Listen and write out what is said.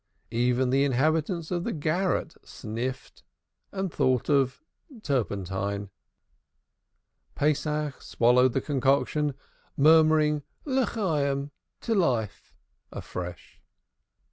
Even the inhabitants of the garrets sniffed and thought of turpentine. Pesach swallowed the concoction, murmuring "To life" afresh.